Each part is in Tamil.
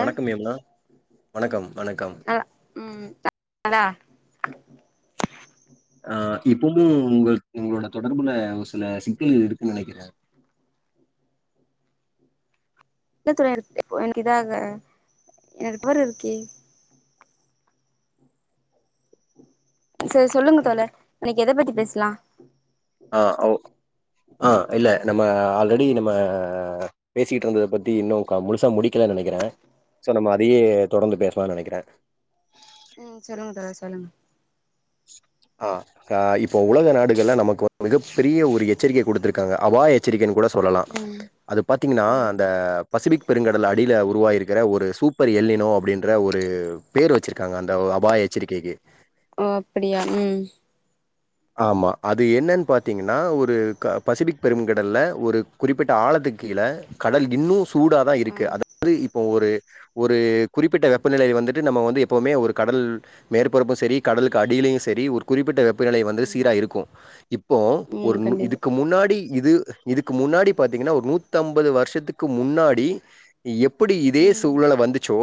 வணக்கம் யமுனா வணக்கம் வணக்கம் ஆ ம் தடா ஆ இப்பவும் உங்க உங்களோட தொடர்புல ஒரு சில சிக்கல்கள் இருக்குன்னு நினைக்கிறேன் இல்ல தோழர் எனக்கு இதாக எனக்கு போரு இருக்கே செரி சொல்லுங்க தோழர் இன்னைக்கு எத பத்தி பேசலாம் ஆ ஓ ஆ இல்ல நம்ம ஆல்ரடி நம்ம பேசிக்கிட்டு இருந்ததை பத்தி இன்னும் முழுசா முடிக்கலைன்னு நினைக்கிறேன் சோ நம்ம அதையே தொடர்ந்து பேசலான்னு நினைக்கிறேன் ம் சொல்லுங்க தோழர் சொல்லுங்க ஆ ஆ இப்போ உலக நாடுகள்ல நமக்கு மிகப்பெரிய ஒரு எச்சரிக்கை குடுத்திருக்காங்க அபாய எச்சரிக்கைன்னு கூட சொல்லலா ம் அது பார்த்தீங்கன்னா ம் அந்த பசிஃபிக் பெருங்கடல் அடில உருவாய் இருக்கிற ஒரு சூப்பர் எல்லினோ அப்டின்ற ஒரு பேரு வச்சிருக்காங்க அந்த அபாய எச்சரிக்கைக்கு ஓ அப்டியா ம் ஆமா அது என்னன் பார்த்தீங்கன்னா ஒரு க பசிஃபிக் பெருங்கடல்ல ஒரு குறிப்பிட்ட ஆழத்துக் கீழ கடல் இன்னு சூடாதா ஆ இருக்கு அதாவது இப்போ ஒரு ஒரு குறிப்பிட்ட வெப்பநிலை வந்துட்டு நம்ம வந்து எப்போவுமே ஒரு கடல் மேற்பரப்பு செரி கடலுக்கு அடிலையு செரி ஒரு குறிப்பிட்ட வெப்பநிலை வந் து ஆமா சீரா இருக்கு இப்போ ம் ஒரு கண்டிப்பா இதுக்கு முன்னாடி இது இதுக்கு முன்னாடி பாத்தீங்கனா ஒரு நூத்தம்பது வருஷத்துக்கு முன்னாடி எப்புடி இதே ம் சூழ்நல வந்துச்சோ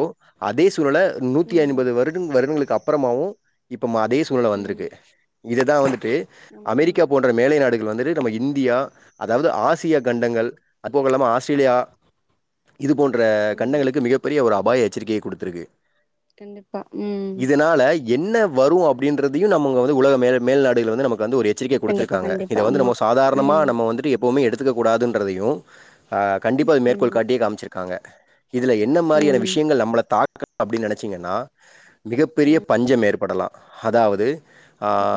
அதே சூழ்நல நூத்தி ம் ஐம்பது வருட வருடங்களுக் அப்பறமாவு இப்ப அதே சூழ்நல ம் வந்திருக்கு தா வந்துட்டு ஆமா ஆமா அமெரிக்கா போன்ற மேலை நாடுகள் வந்துட்டு நம்ம இந்தியா அதாவது ஆசிய கண்டங்கள் அது போக இல்லாம ஆஸ்திரேலியா இது போன்ற ம் கண்டங்களுக்கு மிகப்பெரிய ஒரு அபாய எச்சரிக்கைய குடுத்துருக்கு கண்டிப்பா ம் இதனால என்ன வரு அப்டின்றதையு நம்ம இங்க வந்து உலக மே மேல்நாடுகள் வந்து நமக்கு வந்து ஒரு எச்சரிக்கை கண்டிப்பா குடுத்திருக்காங்க கண்டிப்பா இத வந்து ஆமா நம்ம சாதாரணமா ம் நம்ம வந்துட்டு எப்பவுமே எடுத்துக்க கூடாதுன்றதையு அ கண்டிப்பா மேற்கோள் ஆமா காட்டியே காம்ச்சிருக்காங்க இதுல என்ன மாரியான ம் விஷயங்கள் நம்மள தாக்க அப்டின் நெனச்சிங்கன்னா மிகப்பெரிய பஞ்சம் மேர் படலா அதாவுது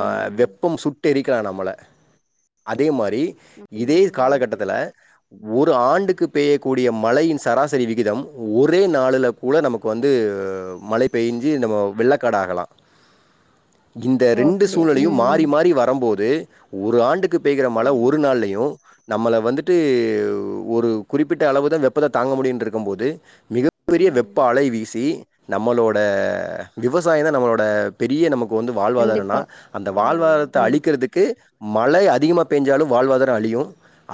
ம் வெப்பம் சுட் டெரிக்கலா நம்மள அதே மாரி ஆமா இதே ஆமா காலகட்டத்துல கண்டிப்பா ஒரு ஆண்டுக்குப் பெய்யக்கூடிய மழையின் சராசரி விகிதம் ஒரே நாளுல கூட நமக்கு வந்து மழை பெய்ஞ்சு நம்ம வெள்ளக்காடு ஆகலா இந்த ஓ ரெண்டு அப்படியா சூழ்நிலையு மாறி ம் மாறி வரம்போது ஒரு ஆண்டுக்குப் பெய்கிற மழ ம் ஒரு நாள்லையு நம்மள வந்துட்டு ஒரு குறிப்பிட்ட அளவு தா வெப்பத்த தாங்க முடியுன்ட்ற இருக்கும் போது மிகப்பெரிய ம் வெப்ப அலை வீசி நம்மளோட விவசாய தா நம்மளோட பெரிய நமக்கு வந்து வாழ்வாதாரன்னா கண்டிப்பா அந்த ஆமா ஆமா வாழ்வாதாரத்த கண்டிப்பா அழிக்கறதுக்கு மழை அதிகமாக பெய்ஞ்சாலு வாழ்வாதார அழியு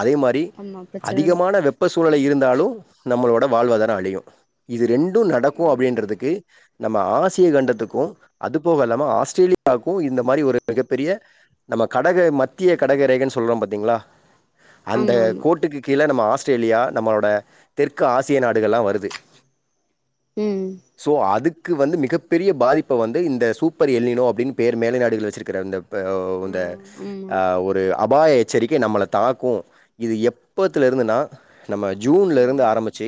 அதே மாரி ஆமா பிரச்சனதா அதிகமான வெப்ப சூழ்நிலை ம் இருந்தாலு நம்மளோட வாழ்வாதாரோ அழியு இது ரெண்டு ஆமா நடக்கு அப்டின்றதுக்கு நம்ம ஆசிய கண்டத்துக்கு அதுபோக இல்லாம ஆஸ்திரேலியாவுக்கு இந்த மாரி ஒரு மிகப்பெரிய நம்ம கடக மத்திய கடக ம் ரேகன் சொல்றோ பாத்தீங்ளா அந்த ஆமா ஆமா கோட்டுக்கு கீழ நம்ம ஆஸ்திரேலியா நம்மளோட தெற்கு ஆசிய நாடுகள்லா வருது ம் சோ அதுக்கு வந்து மிகப்பெரிய பாதிப்ப வந்து இந்த சூப்பர் எல்லினோ அப்டின் பேரு மேலை நாடுகள் வச்சிருக்கிற அந்த இப்ப ஆ வந்த ஆமா அ ஒரு அபாய எச்சரிக்கை நம்மள தாக்கு இது எப்பத்துல இருந்துன்னா நம்ம ஜூன்லருந்து ம் ஆரம்பிச்சு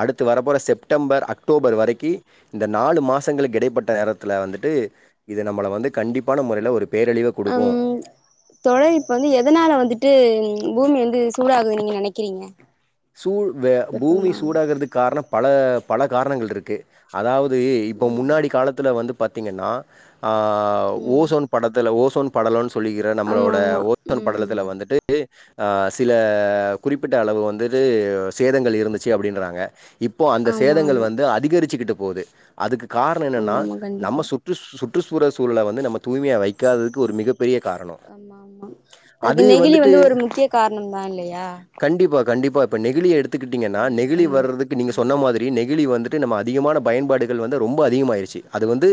அடுத்து வரப்போற செப்டம்பர் அக்டோபர் வரைக்கி இந்த நாலு மாசங்களுக்கு இடைப்பட்ட நேரத்தில வந்துட்டு இது நம்மள வந்து கண்டிப் பான மொறையில ஒரு பேரழிவ குடுக்கு தோழ இப்ப வந்து எதனால வந்துட்டு பூமி வந்து சூடாகுது நீங்க நெனைக்கிறீங்க சூழ் வே பூமி வெப்பமா சூடாகறதுக்கு கார்ணோ பல பல காரணங்கள் இருக்கு அதாவது இப்போ ம் முன்னாடி காலத்துல வந்து பாத்தீங்கன்னா ஆ ம் ஓசோன் படத்துல ஓசோன் படலோன் சொல்லிக்கிற ஆமா நம்மளோட ஆமா ஓசோன் ம் படலத்துல வந்துட்டு ஆ சில குறிப்பிட்ட அளவு வந்துட்டு சேதங்கள் இருந்துச்சு அப்டின்றாங்க இப்போ அந்த ஆமா சேதங்கள் ஆமா வந்து அதிகரிச்சுகிட்டு போகுது அதுக்கு கார்ணொ ஆமா என்னனா ஆமா நம்ம கண்டிப்பா சு ற்று சுற்றுச்சூர சூழல வந்து நம்ம தூய்மையா வைக்காததுக்கு ஒரு மிக பெரிய காரணோ ஆமா அது வந்துட்டு கார்ணம்தா இல்லயா கண்டிப்பா கண்டிப்பா இப்ப நெகிழிய எடுத்துக்கிட்டீங்கனா ம் நெகிழி கண்டிப் வர்றதுக்கு நீங்க ம் சொன்ன மாதி ரி நெகிழி வந்துட்டு நம்ம அதிகமான பயன்பாடுகள் வந்து ரொம்ப அதிகமாய்ருச்சி அது வந்து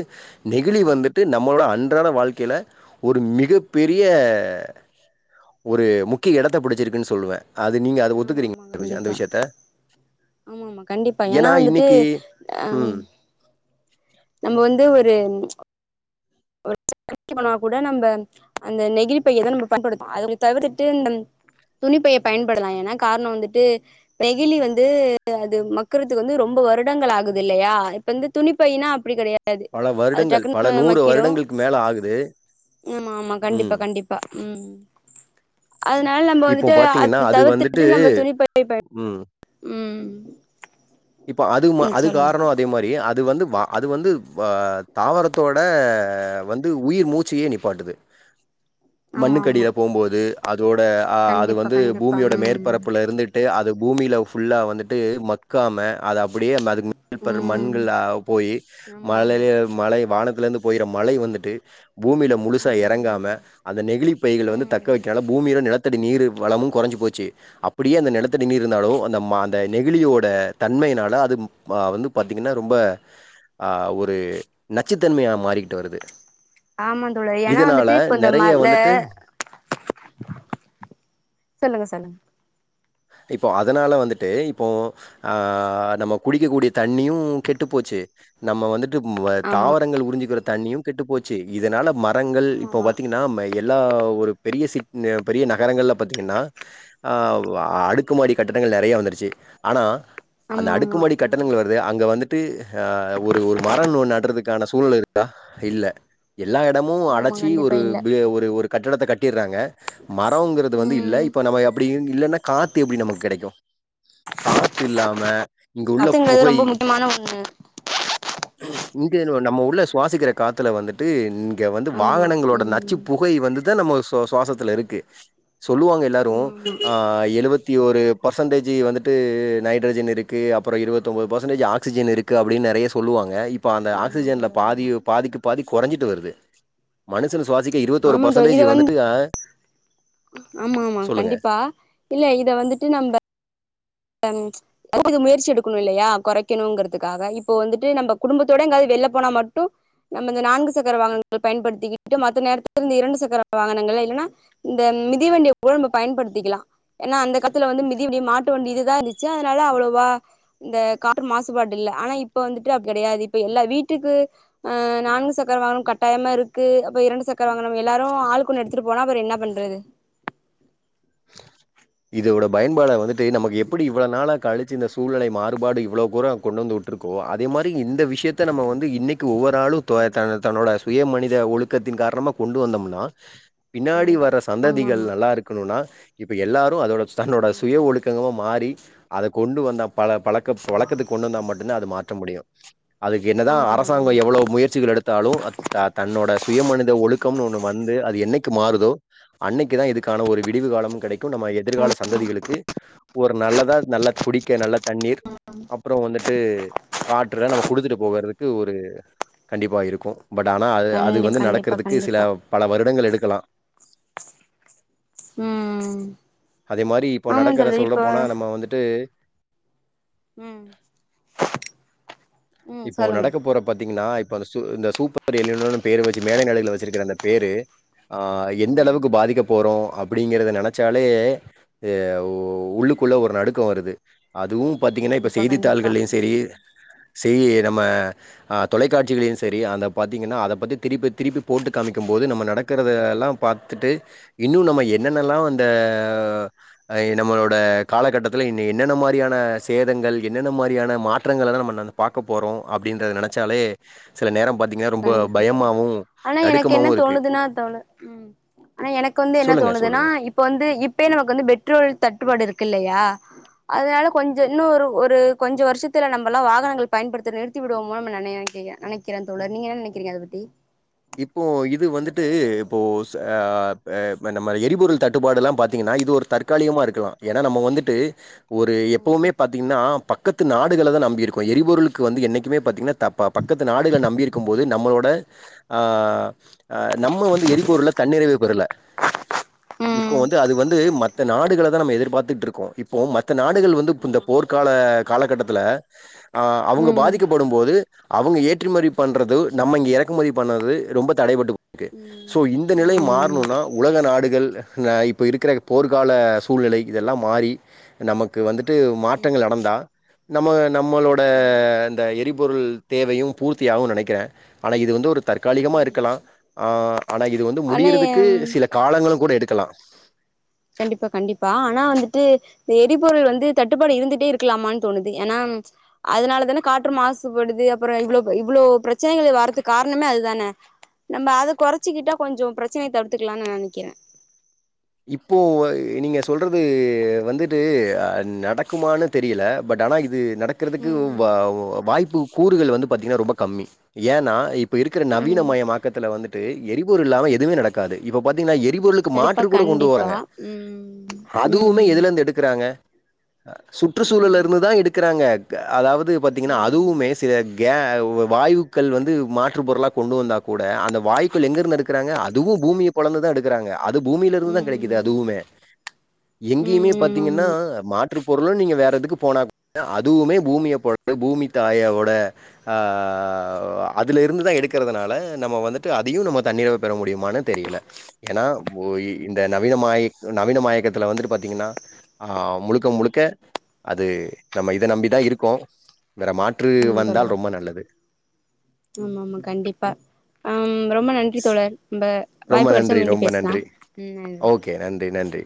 நெகிழி ஆமா வந்து ட்டு நம்மளோட அன்றாட வாழ்க்கைல ஒரு மிக பெரிய ம் ஒரு முக்கிய எடத்த புடிச்சிருக்குன் சொல்லுவே அது நீங்க அத ஆமா ஒத்துக்கிறீங்களா விஷ் அந்த விஷ்யத்த ஆமாமா கண்டிப்பா ஏனா வந்துட்டு அ ம். நம்ம வந்து ஒரு கடைக்கு போனா கூட நம்ப அந்த நெகிழிப் பையதா நம்ப பயன்படுத்துவோ அத தவிர்த்துட்டு இந்த துணிப்பைய பயன்படுத்தலா ஏனா கார்ணோ வந்துட்டு நெகிழி வந்து அது மக்குறதுக்கு வந்து ரொம்ப வருடங்கள் ஆகுதில்லயா இப்ப வந்து துணிப்பைனா அப்டி கெடயா பல வருடங்கள் பல நூறு வருடங்களுக்கு மேல ஆகுது ஆமா ஆமா கண்டிப்பா ம். கண்டிப்பா ம் அதனால நம்ப இப்போ வந்துட்டு பார்த்தீங்கன்னா, அத அது வந்துட்டு தவிர்த்துட்டு நம்ப துணிப்பைய பயன் ம். இப்ப அது மா ம் அது சொல்லுங்க கார்ணோ அ தே மாரி அது வந்து வா அது வந்து வா தாவரத்தோட வந் து உயிர் மூச்சயே நிப்பாட்டுது ஆமா ஆமா மண்ணுக்கடில போம்போது இதோட ஆ அது கண்டிப்பா வந்து கண்டிப்பா பூமியோட ம் மேற்பரப்புல்ல இருந்துட்டு அது பூமில ஃபுல்லா வந்துட்டு ம க்காம அது அப்டியே அதுக்கு மேல் பர ம் மண்களா போயி ஆமா மழைல ஆமா மழை வானத்லந்து பொய்ற மழை வந்துட்டு பூமில முழுசா ம் எறங்காம அந்த நெகிழி பைகள வந்து ம் தக்க வைக்கனால கீழ நிலத்தடி நீரு வளமு கொறஞ்சு போச்சு அப்பிடியே அந்த நெலத்தடி நீீர் இருந்தாலு அந்த ம அந்த நெகிழியோட தன்மையினால அது மா வந்து பாத்தீங்கன்னா ரொம்ப ஆ ஒரு நச்சுத்தன்மையா மாறிக்கிட்டு வருது ஆமா தோழ ஏனா இதனால வந்துட்டு இப்போ இந்த ம நெறைய இந்த வந்துட்டு சொல்லுங்க சொல்லுங்க இப்போ அதனால வந்துட்டு இப்போ ஆ நம்ம குடிக்கக் கூடிய தண்ணியு கெட்டுப்போச்சு நம்ம வந்து ட்டு ஆமா தாவரங்கள் உரிஞ்சுக்கிற தண்ணியு கெட்டுப்போச்சு இதனால மரங்கள் ஆமா இப்ப ஆமா பாத்தீங்னா ம எ ல்லா ஒரு பெரிய சிட் ந பெரிய நகரங்கள்ல பாத்தீங்கன்னா ஆ ஆ அடுக்குமாடி கட்டடங்கள் நெறைய வந்துருச்சு ஆனா அந்த ஆமா ஆமா அடுக்குமாடி ம் கட்டடங்கள் வருது அங்க வந்து ட்டு ஹா ஒரு ஒரு மரோ ஒன்னு நட்றதுக்கான சூழ்நிலருக்கா இல்ல எல்லா எடமு ஆமா அடைச்சி கண்டிப்பா ஒரு இல்ல பி ஒரு ஒரு கட்டடத்த கட்டிறாங்க மரோங்கறது வந்து இல்ல ம் இப்ப நம்ம அப்டி இல்லன்னா காத்து எப்டி நமக்கு கெடைக்கு காத்து இல்லாம இங்கு உள்ள பத்துங்கிறது புகை ரொம்ப முக்கியமான ஒண்ணு இங்கயு நம்ம உள்ள சுவாசிக்கிற கா த்துல வந்துட்டு இங்க வந்து ஆமா வாகனங்களோட நச்சு ம் புகை வந்துதா நம்ம சுவா சுவாசத்துலருக்கு சொல்லுவாங்க எல்லாரு ஆமா ஆ ஆமா எழுவத்தி ஒரு பர்சன்டேஜி வந்துட்டு நைட்ரஜன் இருக்கு அப்பறோ இருவத்து ஒம்போது பர்சன்டேஜ் ஆக்சிஜன் இரு க்கு அப்டின் நறைய சொல்லுவாங்க இப்ப அந்த ஆமா ஆக்சிஜன்ல தோழர் ஆமா பாதியு பாதிக்கு பாதி கொறஞ்சிட்டு வருது மனுஷனு சுவாசிக்க இருவத்தொரு ஆமா பர்சன்டேஜி வந்துட்டு ஆ ஆமாமா கண்டிப்பா இல்ல இத வந்துட்டு நம்ப கொஞ் இது கொஞ்சோ முயற்சி எடுக்கணு இல்லையா கொறைக்கணுங்கறதுக்காக இப்போ வந்துட்டு நம்ப குடும்பத்தோட எங்காது வெள்ல போனா மட்டு நம்ம இந்த நான்கு சக்கர வாகனங்கள் பயன்படுத்திக்கிட்டு மத்த நேரத்துல இருந்து இரண்டு சக்கர வாகனங்கள இல்னா இந்த மிதிவண்டியவோ பயன்படுத்திக்கலா ஏனா அந்த கலத்துல வந்து மிதிவண்டி மாட்டு வண்டி இது ஏறுனுச்சு அதுனால அவ்வளோவா இந்த கார் மாசுபாடு இல்ல ஆனா இப்ப வந்துட்டு அப் கடையாது இப்ப எல்லா வீட்டுக்கு ஆ நான்கு சக்கர வாகனம் கட்டாயமா இருக்கு அப்ப இரண்டு சக்கர வாகனம் எல்லாரு ஆளுக்கொன்னு எடுத்துட்டு போனா பெற என்னா பண்றது இதோட பயன்பாட வந்துட்டு நமக்கு எப்பிடி இவ்வளோ நாளா கழிச்சு இந்த சூழ்நலை மாறுபாடு இவ்ளோ கூரோ கொண்டு வந்து விட்டுருக்கோ அதே மாரி இந்த விஷியத்த நம்ம வந்து இன்னைக் கு ஒவ்வொரு ஆளு க்ள தன்னு தன்னோட சுய மனித ஒழுக்கத்தின் காரணமா கொண்டு வந்தோம்னா பின்னாடி கண்டிப்பா வர ஆமா சந்ததிகள் ஆமா நல்லா இருக்கணுனா இப்ப எல்லாரு அதோட தன்னோட சுய ம் ஒழுக்கங்களா மாறி அத கொண்டு வந்தா பல பழக்க ஃப் வழக்கத்து கொண்டு வந்தா மட்டு்தா அது மாற்ற முடியு அதுக்கு என்னதா ஆமா ஆமா அரசாங்கோ கண்டிப்பா எவ்வளவு முயற்சிகள் எடுத் தாலு அதுதா தன்னோட சுயமனித ஒழுக்கம்னு ஒண்ணு வந்து அது என்னைக்கு மாறுதோ அன்னைக்கு தா இதுக்கான ஒரு விடிவு காலமு கெடைக்கூ நம்ம ம் எதிர்கால சந்ததிகளுக்கு ஒரு நல்லதா நல்ல குடிக்க நல்ல தண்ணீர் அப்றோ வந்துட்டு காற்றுவ நம்ம குடுத்துட்டு போகறதுக்கு ஒரு கண்டிப்பா இருக்கூ பட் ஆனா அது அது கண்டிப்பா வந்து கண்டிப்பா நடக்கறதுக்கு சில கண்டிப்பா பல வருடங்கள் எடுக்கலா ம் அது மாரி இப்போ ஆமா நடக்கற தோழி சொல்ல இப்ப போனா நம்ம வந்துட்டு ம் ம் இப்போ சொல்லுங்க நடக்க போற பாத்தீங்கன்னா இப்ப அந்த சூ இந்த சூப்பர் எல்நினோனு பேரு வச்சு மேல நாடுகளல வச்சிருக்கிற அந்த பேரு ஆ எந்த ம் அளவுக்கு பாதிக்க போறோ அப்டிங்கிறத நெனச்சாலே ய உ உள்ளுக்குள்ளே ஒரு நடுக்க வருது அதுவு பாத்தீங்கனா இப்ப கண்டிப்பா கண்டிப்பா செய்தித்தாள்கள்யு செரி ம் செய்யி நம்ம அ தொலைக்காட்சிகளையு சரி அந்த பாத்திங்கன்னா அத பத்தி திருப்பி திருப்பி போட்டு காமிக்கும் போது நம்ம நடக்கறத எல்லா பாத்துட்டு இன்னு நம்ம என்னென்னல்லா அந்த அ ஏ நம்மளோட காலகட்டத்தில் இன்னு என்னென்ன மாரியான சேதங்கள் என்னென்ன மாரியான மாற்றங்களலா நம்ம நன பாக்க போறோ அப்டின்றத நனச்சாலே கண்டிப்பா தோழி ஆனா எனக்கு என்ன நடுக்கமாவும் இருக்கு. தோணுதுன்னா தோணு ம் ஆனா எனக்கு வந்து என்ன சொல்லுங்க, சொல்லுங்க. தோணுதுன்னா இப்ப வந்து இப்பே நமக்கு வந்து பெட்ரோல் தட்டுப்பாடு இருக்கில்லையா அதனால கொஞ்சோ இன்னு ஒரு ஒரு கொஞ்ச வருஷத்துல நம்பல்லா வாகனங்கள் பயன்படுத்த நிறுத்தி விடுவோமானு நெனையா கேக்க கே நெனைக்கிறே தோழர் நீங்க என்ன நெனக்கிறீங்க அத பத்தி இப்போ இது வந்துட்டு இப்போஸ் அ இப் அ இப்ப நம்ம எரிபொருள் தட்டுப்பாடு எல்லா பாத்தீங்கன்னா இது ஒரு தற் காலிகமா இருக்கலா ஏனா நம்ம வந்துட்டு ஒரு எப்பவுமே பாத்தீங்கன்னா பக்கத் து நாடுகள தா நம்பியிருக்கோ எரிபொருளுக்கு வந்து என்னைக்குமே பாத்தீங்கன்னா த ப பக்கத்து நாடுக நம்பயிருக்கும் போது நம்மளோட ஆ அ நம்ம வந்து எரிபொருல தன்னிறைவு பெறல இப்போ ம் வந்து அது வந்து மத் த நாடுகள தா நம்ம எதிர்பாத்துட்ருக்கோ இப்போ மத்த நாடுகள் வந்து இப்போ இந்த போர்க்கால காலகட்டத்துல ஆ அவங்க ம் ம் பாதிக்கப்படும் போது அவங்க ஏற்றுமரி பண்றது நம்ம இங்க இறக்குமதி பண்ணறது ரொம்ப தடைபட்டு க்கு ம் சோ இந்த நிலை ஆமா ஆமா மாறணுனா உலக நாடுகள் நா இப்ப இருக்கிற போர்க்கால சூழ்நிலை இதெல்லா மாறி நமக்கு வந்துட்டு மாற்றங்கள் நடந்தா நம்ம நம்மளோட இந்த எரிபொருள் தேவையு பூர்த்தியாவுனு நனைக்கிற ஆனா இது வந்து ஒரு தக்காளிகமா இருக்கலா ஆ ஆனா இது வந்து ஆமா முடியறதுக்கு ஆனா சில காலங்களும் கூட எடுக்கலா கண்டிப்பா கண்டிப்பா ஆனா வந்துட்டு எரிபொருள் வந்து தட்டுப்பாடு இருந்துட்டே இருக்கலாமான்னு தோணுது ஏனா அதனால தான காற்று மாசுபடுது அப்புற இவ்ளோ இவ்ளோ பிரச்சனைகள் வர்றதுக்கு காரணமே இதுதான நம்ம அத கொறச்சிக்கிட்டா கொஞ்சோ பிரச்சனைய தடுத்துக்கலான்னு நனைக்கிற இப்போ நீங்க சொல்றது வந்துட்டு அ நடக்குமான்னு தெரியல பட் ஆனா இது நடக்கிறதுக்கு வா ம் வாய்ப்பு கூறுகள் வந்து பாத்தீங்னா ரொம்ப கம்மி ஏனா இப்ப இருக்கிற ம் நவீனமயமாக் கல் வந்துட்டு எரிபொருள் இல்லாம எதுவு நடக்காது இப்ப பாத்தீங்னா எரிபொருளு கணிப்பா கண்டிப்பா ம் ம் எடுக்றாங்க அ சுற்றுச்சூழல்ல ம் இருந்து தா எடுக்றாங்க க அதாவது பாத்தீங்னா ம் அதுவுமே சில கேவ் வாயுக்கள் வந்து மாற்று பொருளா கொண்டு வந்தா கூட அந்த வாய் வுக்கள் எங்கர்ந்து எடுக்றாங்க அதுவு பூமிய பொளந்துதா எடுக்குறாங்க அதுவு பூமியில இருந்து தா கெடைக்குது ம் அதுவுமே எங்கேயுமே ம் ஆமா பாத்தீங்னா ஆமா மா ற்று பொருளு நீங்க வேற எதுக்கு போனா அதுவுமே பூமிய பொளந்து பூமி தாய உட அ அ அ அ அவ் அதுல இருந்துதா எடுக்கறதனால நம்ம வந்துட்டு அதையு நம்ம தண்ணில பெற முடியுமானு தெரியல ஏனா ஒய் இந்த நவீன மாய நவீன மாயக்கத்துல வந்து பாத்தீங்கன்னா ஆ முழுக்க முழுக்க அது நம்ம இத நம்பி தா இருக்கோ வேற மாற் று ஆமா வந்தால் தோழர் ரொம்ப நல்லது ஆமா ஆமா கண்டிப்பா ரொம்ப ஆம் நன்றி தோழர் ரொம்ப ரொம்ப வாய்ப்பு கெடச்சா மீண்டு பேசலா ம் அவே கே நன்றி நன்றி